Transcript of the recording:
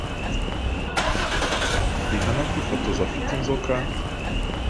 Rihanna kwifotoza afite inzoka,